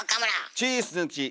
チーッスズン吉。